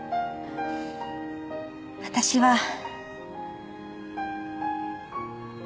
私は。